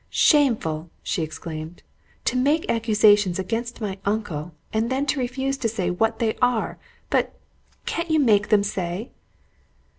"Shameful!" she exclaimed. "To make accusations against my uncle, and then to refuse to say what they are! But can't you make them say?"